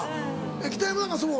北山なんかそう？